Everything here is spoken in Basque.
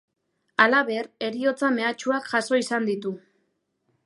Halaber, heriotza mehatxuak jaso izan ditu.